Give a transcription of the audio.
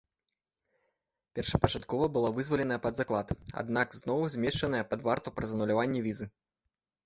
Першапачаткова была вызваленая пад заклад, аднак зноў змешчана пад варту праз ануляванне візы.